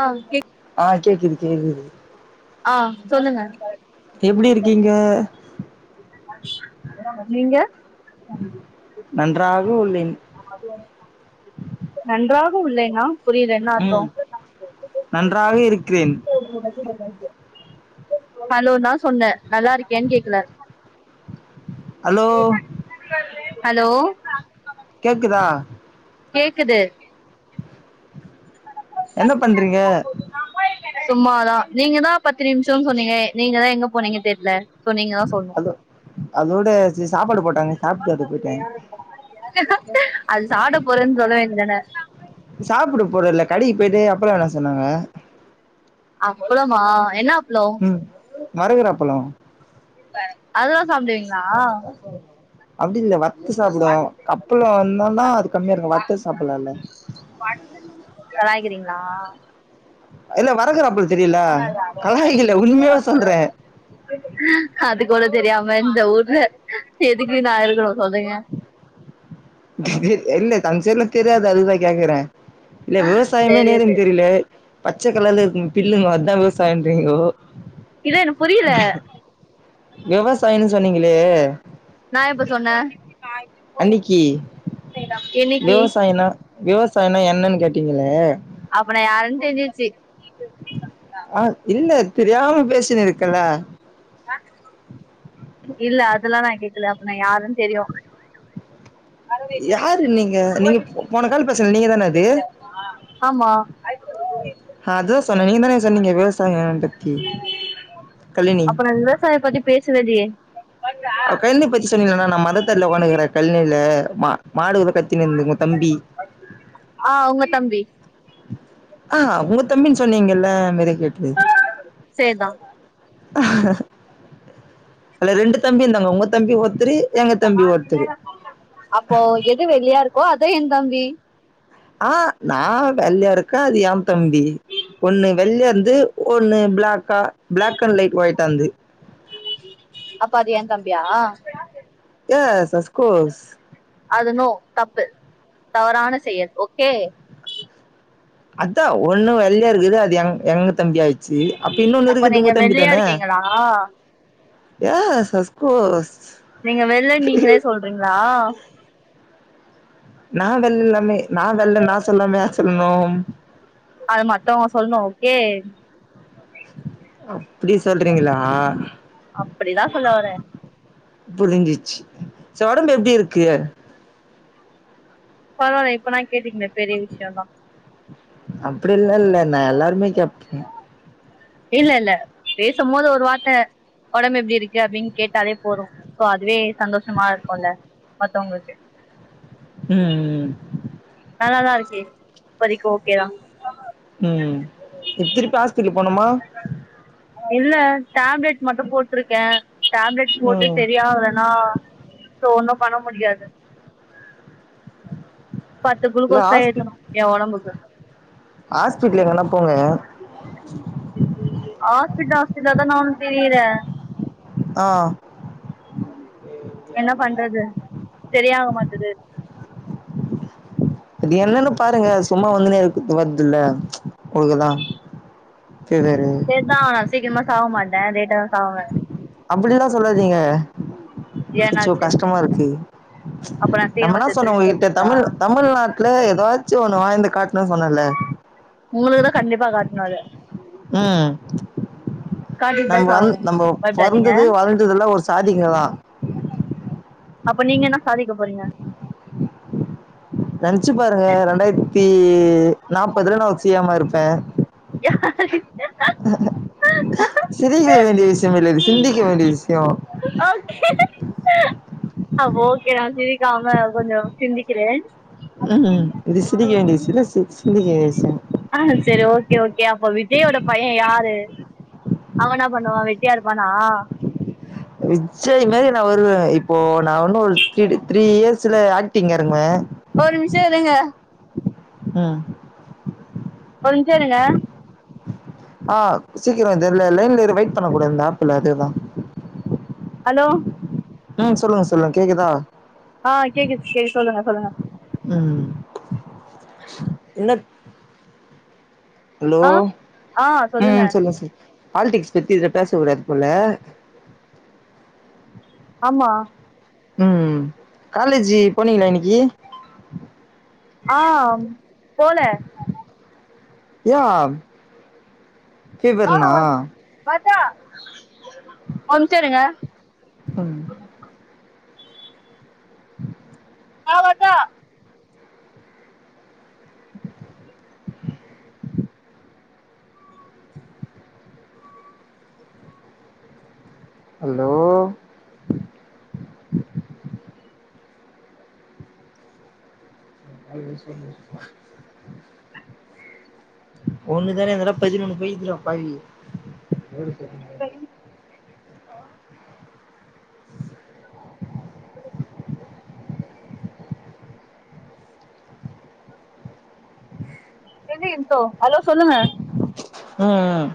ஆ ஆ கேக்குது கேக்குது ஆ சொல்லுங்க எப்டி இருக்கீங்க நீங்க நன்றாக உள்ளேன் உப்பு இல்லண்ணா புரியல என்ன ம் அர்த்த நன்றாக இருக்கிறேன் ஹலோ தா சொன்னே நல்லா இருக்கியா கேக்கல ஹலோ ஹலோ கேக்குதா கேக்குது என்ன பண்றீங்க சும்மாதான் நீங்கதான் பத்து நிமிஷம்னு சொன்னீங்க நீங்கதான் எங்க போனீங்க தெரல சோ நீங்க தா சொல்ன்னு அதோ அதோட சாப்பாடு போட் அது சாட போறன்னு சொல்ல வேண்டியதான சாப்பிட போறல கடைக்கு போய்ட்டு அப்பளம் வாங்கிட்டு வர சொன்னாங்க அப்பளமா என்ன அப் ம் மருகுற அப்பள அது தா சாப்டுவீங்களா அப்படி இல்ல வத் அது கம்மியா இருக்கு வத்த சாப்டலால்ல கலாய்க்கிரி ங்கலா இல்ல வரகற அப்பளோ தெரியுல கலாய்க்கல உண்மையாவே சொல்றே அது கூட தெரியா மா இந்த ஊர்ல எதுக்கு நா இருக்கணு சொல்லுங்க இல்ல அஞ் சைடு லா தெரியாது அதுக்தா கேக்குறே இல்ல விவசாயமே தெரியது நேருன்னு தெரில பச்சைக்கலல இருக்கு பில்லுங்க அதான் விவசாய இன்றிங்கோ இல்ல என புரியல விவசாயன்னு சொன்னீங்களே நா எப்ப சொன்னே அன்னிக்கி என்னிக்கி விவசாயம்னா என்னன்னு கேட்டீங்களே அப்புன யாருன்னு தெரிஞ்சுச்சு ஆ இல்ல தெரியாம பேசின இருக்கல்ல இல்ல அதெல்லா நா கே்கல அப்ப நா யாருன்னு தெரியு யாரு நீங்க நீங்க போன கால் பேசல நீங்க தான அது ஆமா அதா சொன்னே நீங்க தான சொன்னீங்க விவசாயோ வேளாண் பத்தி கழினி அப்ப நா விவசாயம் பத்தி பேசுனது ஏ கழனி பத்தி சொன்னேல்ல நா மரத்தடில ஒக்கான்னு இருக்குறே கழனில மா மாடு பத்தினந்துங்க தம்பி ஆ உங்க தம்பி ஆ ஒங்க தம்பின் சொன்னீங்கல்ல மேற கேட்டது சேர்தா அல்ல ரெண்டு தம்பி இருந்தாங்க ஒங்க தம்பி ஒருத்தரு எங்க தம்பி ஒருத்தரு அப்போ எது வெள்ளியா இருக்கோ அது என் தம்பி ஆ நா வெள்ளையா இருக்க அது யேன் தம்பி ஒன்னு வெள்ளயாருந் து ஒண்ணு ப்ளக்கா ப்ளாக் அண்ட் லைட் ஒயிடாருந்து அப்ப அது யேன் தம்பியா எஸ் அஸ்கோர்ஸ் அது நோ தப்பு தவறான செயல் ஓகே அதா ஒண்ணு வெள்ளயா இருக்குது அது எ எங்க தம்பியாச்சு அப்ப இன்னொன்னு இருக்குது நீங்க ஒங்க தம்பி வெள்ளையா தான இருக்கீங்களா ஏ ச கோஸ் நீங்க வெள்ள நீங்களே சொல்றீங்ளா நா வெள்லாமே நா வெல்ல நா சொல்லாம யார் சொல்ணும் ஏ அப்டி சொல்றீங்களா அப்படிதா சொல்ல வார புரிஞ்சிச்சு ஜ ஒடம்பு எப்டி இருக்கு பரவால இப்ப நா கேட்டீங்ளே பெரிய விஷ்யோம்தா அப்டி இல்ல இல்ல நா எல்லாருமே கேபேன் இல்ல இல்ல பேசும்போது ஒரு வார்த்த ஒடம்பு எப்டி இருக்கு அப்டின் கேட்டாலே போதும் சோ அதுவே சந்தோஷமா இருக்கும்ல்ல மத்தவங்களுக்கு ம் ம் வேணானா அரசி இப்பதிக்கு ஓகேயா ம் இப்திருப்பி ஹாஸ்பெட்டல் போணுமா இல்ல டேப்லெட் மட்டு போட்ருக்கே டேப்லெட் போட்டு ம் செரியாவ்லனா ஃபோன் தா பண்ண முடியாது பத்து இல்ல குளுகோஸ் தா ஹாஸ்பி ஏத்துனு ஏ ஒடம்புக்கு ஹாஸ்பிட்லு எங்னா போங்க ஹாஸ்பிட்ட ஹாஸ்பிட்லா தா நானு திரியிறே ஆ என்ன பண்றது செரியாக மாட்டுது இது என்னென்னு பாருங்க சும்மா வந்துனே இருக்கு த்து வருதுல்ல பொழுதெல்லா சேர்தா நா சீக்ரமா சாப்ட மாட்டே லேட்டா தா சாப்டுவே அப்டிலா சொல்லாதீங்க அச்சசோ ஏன்னாச்சு கஷ்ட்டமா இருக்கு அப்ப நா சீக்கிரமா நம்மனா சொன்னோ செத்துருவேன்னு ஒங்ககிட்ட சொல்றீங்களா தமிழ் தமிழ்நாட்டுல எதாச்சு ஒண்ணு வாய்ந்து காட்ணுன் சொன்னல ஒங்களோட கண்டிப்பா காட்ணு அது ம் காட்டிட்டு தா நம்ம வந் சாகணு நம்ம பயப்படாதீங்க பொறந்தது வளந்ததுலா ஒரு சாதிங்களா அப்ப நீங்க என்ன சாதிக்க போறீங்க நெனச்சு பாருங்க ரெண்டாயிர்த்தி நாப்பதுல நா சீ எம் ஆ இருப்பே யாரு அ அ சிரிக்க வேண்டிய விஷயம் இல்ல இது சிந்திக்க வேண்டிய விஷயம் ஓக்கே.. அ ஓகே நா சிரிக்காம கொஞ்சோ சிந்திக்கிறே ம் இது சிரிக்க வேண்டிய விஷயம் இல்ல சி- சிந்திக்க வேண்டிய விஷயம் ஆ செரி ஓகே ஓகே அப்ப விட் விஜயோட பைய யாரு அவ என்னா பண்ணுவா வெட்டியா இருப்பானா விஜய் மாரி நா வருவ இப்போ நா ஒன்னு ஒரு த்ரீ த்ரீ இயர்ஸ்ல ஆக்டிங் எருங்குவ ஒரிம்ஷோ இருங்க உம் கொஞ்சருங்க ஆ சீக்கிரோ இது இல்ல, லைன்ல இரு வெயிட் பண்ண கூடாது இந்த ஆப்புல அதுதா ஹலோ உம் சொல்லுங்க சொல்லுங்க கேக்குதா ஆ கேக்குது கேக்குது சொல்லுங்க சொல்லுங்க உம் என்ன அலோ ஆ ஆ சொல்லுங்க உம் சொல்லு சொல்லு பாலிடிக்ஸ் பத்தி இதுல பேசக்கூடாது போல ஆமா உம் காலேஜி போனீங்களா இன்னைக்கி ஆ போல யேன் ஆ வர்டா, ஒர்நிம்சமிருங்க ம் [inaudible] ஆ வர்டா ஹலோ [inaudible] ஒன்னு தானே, இந்தடவ பதினொன்னு போயிக்கிதுடா பாவி [inaudible] [inaudible] தெலிந்தோ ஹலோ சொல்லுங்க உம்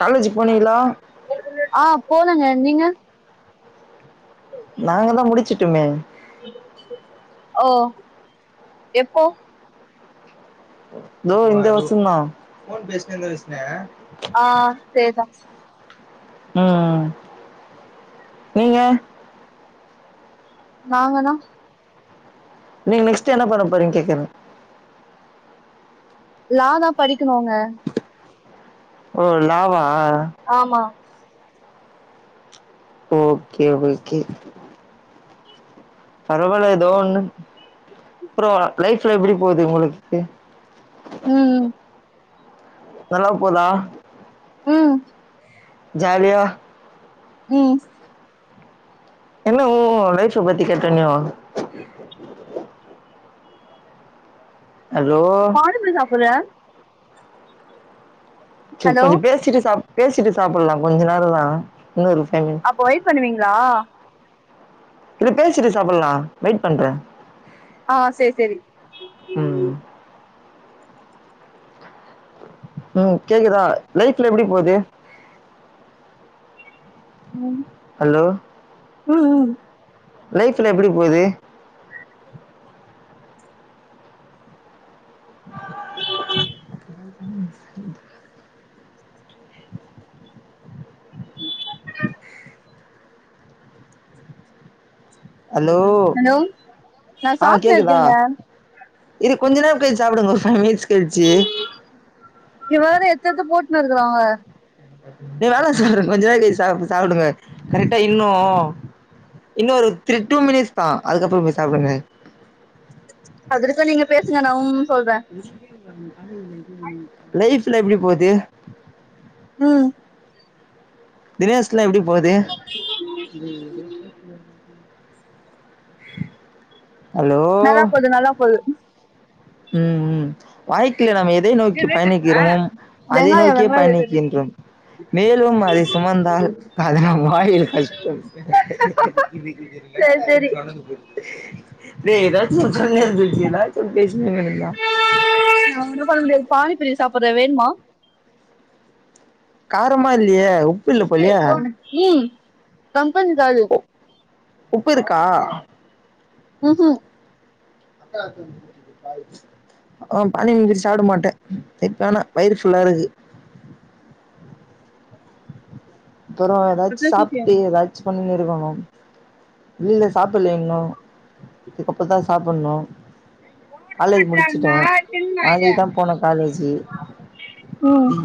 காலேஜ் போனீங்களா ஆ போலங்க நீங்க நாங்க தா முடிச்சுட்டுமே ஓ எப்போ தோ இந்த வருசோ தா ஆ சேர்தா உம் நீங்க நாங்கனா நீங் நெக்ஸ்ட் என்ன பண்ண போறீங்க கேக்குற லா தா படிக்கணுங்க ஓ லாவா ஆமா ஓகே ஓகே பரவால்ல ஏதோ ஒன்னு அப்ரோ லைஃப்லா எப்படி போகுது உங்களுக்கு உம் நல்ல போதா உம் ஜாலியா உம் என்ன உ [unintelligible] பத்தி கேட்டண ஹலோ பாடுபே சாப்பிர்ற ச்சு ஹலோ கொஞ்சம் பேசிட்டு சாப் பேசிட்டு சாப்பில்லாம் கொஞ்ச நேரந்தா அப்ப ஒயிட் பண்ணுவீங்ளா இல்ல பேசிட்டு சாப்பல்லா வெயிட் பண்ற ஆ சேரி சேரி ம் உம் கேக்குதா லைஃப்ல எப்டி போது உம் உம் உம் லைஃப்ல எப்டி போது [inaudible] ஹலோ ஹலோ நா ஆ சாப்ட்னு கேக்குதா இருக்கேங்க இரு கொஞ்ச நேர கழிச் சாப்டுங்க ஒரு ஃபைவ் மினிட்ஸ் கழிச்சு இவேற எத்தெத்து போட்னுருக்கறாங்க நீ வேல செய்றன் கொஞ்ச நேர கழிச் சாப் சாப்டுங்க கரெக்டா இன்னு இன்னு ஒரு த்ரீ டூ மினிட்ஸ்த அதுக்கப்ற போய் சாப்டுங்க அது இருக்கு நீங்க பேசுங்க நா உம் உம் சொல்றே லைஃப்ல எப்டி போது உம் தினேஷ்லா எப்டி போது [inaudible] நல்லா போது நல்லா போது உம் உம் வாய்க்கல நம்ம எது எதை நோக்கி பயணிக்கிறமோம் அதை வெங்காயோ நோக்கியே வெங்காயோ பயணிக்கின்றோம் மேலும் அதை சுமந்தால் அதுலா வாயில் கஷ்டம் சேரி சேரி தே எதாச்ச சொல்லேந்த்ச்சு எதாச்சு பேசி [unintelligible] பானிப்புரி சாப்பற வேண்மா காரமா இல்லியே உப்பு இல்ல போலியே கம்ப்பெனி தாலி உப்பு இருக்கா உஹு [unintelligible] ஆ பானி இங்கிரி சாப்ட மாட்ட திப்பானா வயிரு ஃபுல்லாருக்கு அப்புற ஏதாச்சு சாப்ட்டு ஏதாச்சு பண்ணினிருக்கணு வெளில சாப் ப்பில்ல இன்னு இதுக்கப்பதா சாப்பிண்ணு காலேஜ் முடிச்சுட்டே நாளைக்தா போனு காலேஜுகி ம் தி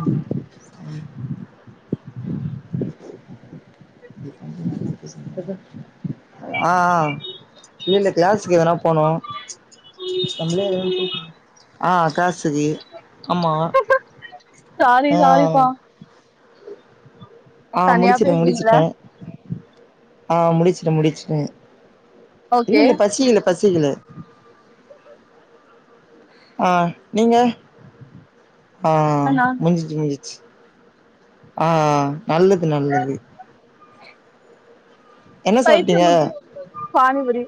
[unintelligible] ஆ ஆ இல்ல இல்ல கிளாஸுக்கு எதனா போனு நம்லே எதோ ஒன் பேசினு ஆ காசுகி அம்மா சாரி சாரிப்பா ஆ தனியா முடிச்சுட்டே பேசுறீங்கள முடிச்சுட்டே ஆ முடிச்சுட்ட முடிச்சுட்ட இல்ல ஓகே இல்ல பசிகல பசிகல ஆ நீங்க ஆ ஆனா முஞ்சிச்சி முஞ்சிச்சி ஆ நல்லது நல்லது என்ன பைத்திய சாப்ட்டீங்க முத்தி போ பானிபுரி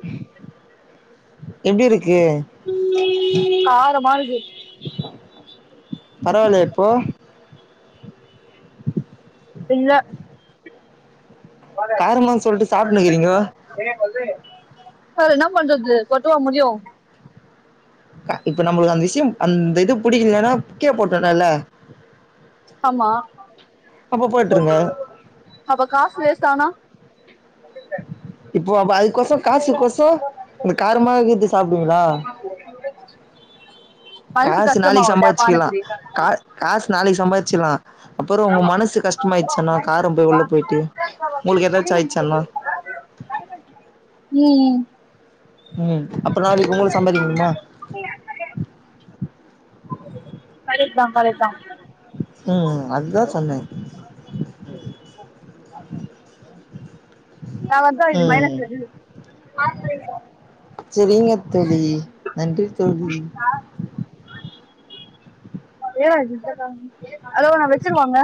எப்டிருக்கு காரமா இருக்கு பரவால்லையா இப்போ இல்ல காரமான்னு சொல்லிட்டு சாப்ட்டுனுக்கிறீங்கோ வேற என்னப் மண்றது கொட்டுவ முட்யு இப்ப நம்புளுக்கு அந்த விஷ்யம் அந்த இது புடிக்கிலனா கீய போட்டரல்ல ஆமா போட்டுருங்க அப்ப காசு வேஸ்ட் ஆனா இப்போ அப அதுக்கோச காசு கொசோ ந் காரமாக்குது சாப்டுவீங்ளா மனசு காசு நாளிக் கஷ்டமாவும்ல சம்பாச்க்கிலா பானிபூரி கா காசு நாளக் சம்பாச்சில்லா அப்பரொ உங்க மனசு கஷ்ட்மாயிட்ச்சனா காரம் போய் உள்ள போயிட்டு உங்களுக் ஏதாச்சு ஆயிட்ச்சன்னா ம் ம் ம் அப்பற் நாளிக்கு உங்குலு சம்பாதிக் முடிமா கரேட்தா ம் ம் அதுதா சொன்னே நா வந்தா இது ம் மைனசு செரீங்க தோழி நன்றி தோழி [unintelligible] ஹாலோ நா வெச்சிருவாங்க